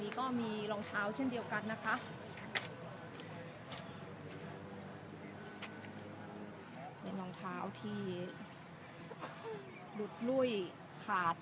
มีผู้ที่ได้รับบาดเจ็บและถูกนำตัวส่งโรงพยาบาลเป็นผู้หญิงวัยกลางคน